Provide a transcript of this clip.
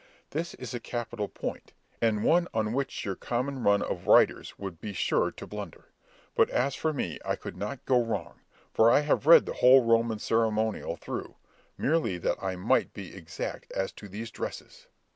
This is a capital point, and one on which your common run of writers would be sure to blunder; but as for me I could not go wrong, for I have read the whole Roman ceremonial through, merely that I might be exact as to these dresses."